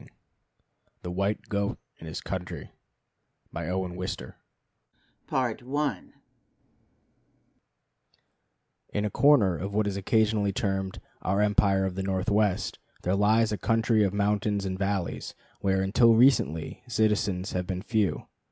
_ The White Goat and his Country In a corner of what is occasionally termed "Our Empire of the Northwest," there lies a country of mountains and valleys where, until recently, citizens have been few.